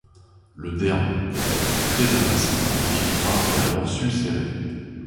Le derme peut être très aminci par l'infiltrat et alors s'ulcérer.